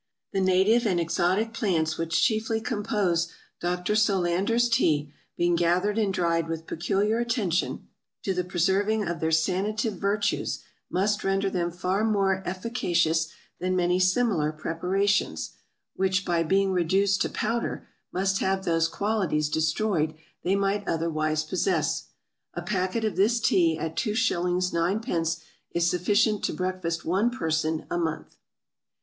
The native and exotic Plants which chiefly compose Dr. Solander's Tea, being gathered and dried with peculiar attention, to the preserving of their sanative Virtues, must render them far more efficacious than many similar Preparations, which by being reduced to Powder, must have those Qualities destroyed they might otherwise possess. A Packet of this Tea at 2s. 9d. is sufficient to Breakfast one Person a Month.